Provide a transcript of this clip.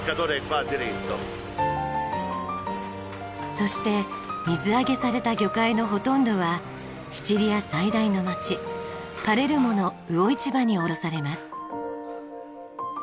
そして水揚げされた魚介のほとんどはシチリア最大の町パレルモの魚市場に卸されます。